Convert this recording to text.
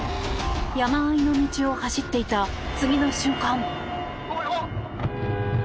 山あいの道を走っていた次の瞬間。